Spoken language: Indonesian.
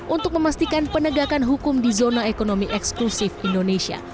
untuk memastikan penegakan hukum di zona ekonomi eksklusif indonesia